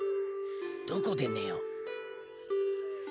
どこでねよう。